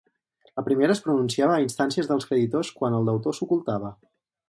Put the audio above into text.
La primera es pronunciava a instàncies dels creditors quan el deutor s'ocultava.